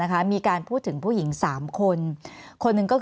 แอนตาซินเยลโรคกระเพาะอาหารท้องอืดจุกเสียดแสบร้อน